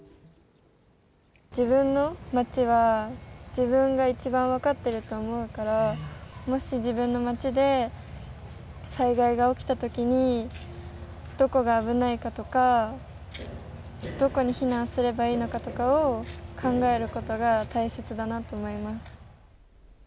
自分の町は、自分が一番分かってると思うから、もし自分の町で災害が起きたときに、どこが危ないかとか、どこに避難すればいいのかとかを考えることが大切だなと思います。